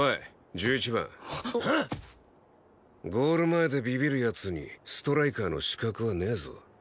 ゴール前でビビる奴にストライカーの資格はねえぞ。